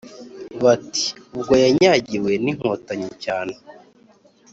bati:ubwo yanyagiwe n'inkotanyi cyane,